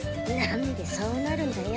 何でそうなるんだよ。